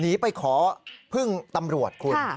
หนีไปขอพึ่งตำรวจคุณ